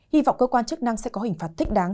hy vọng cơ quan chức năng sẽ có hình phạt thích đáng